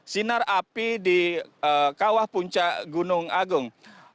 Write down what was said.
sinar api di kawah puncak gunung agung